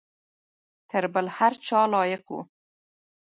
تر بل هر چا لایق وو.